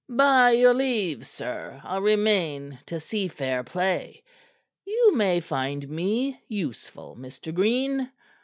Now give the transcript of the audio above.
"By your leave, sir, I'll remain to see fair play. You may find me useful, Mr. Green.